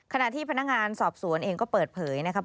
ขณะที่พนักงานสอบสวนเองก็เปิดเผยนะครับ